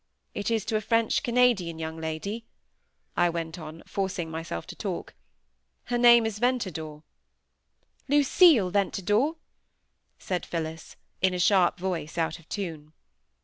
It is to a French Canadian young lady," I went on, forcing myself to talk. "Her name is Ventadour." "Lucille Ventadour!" said Phillis, in a sharp voice, out of tune.